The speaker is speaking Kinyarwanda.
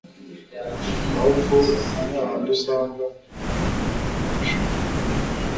ahubwo ni hahandi usanga bidashoboka